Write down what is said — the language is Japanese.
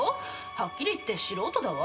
はっきり言って素人だわ。